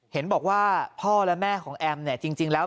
เห็นบอกว่าพ่อและแม่ของแอมเนี่ยจริงแล้ว